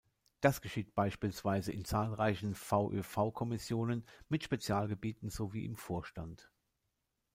Das geschieht beispielsweise in zahlreichen VöV-Kommissionen mit Spezialgebieten sowie im Vorstand.